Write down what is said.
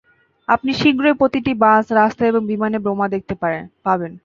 আপনি শীঘ্রই প্রতিটি বাস, রাস্তায় এবং বিমানে বোমা দেখতে পাবেন।